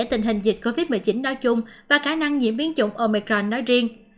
tình hình dịch covid một mươi chín nói chung và khả năng diễn biến dụng omicron nói riêng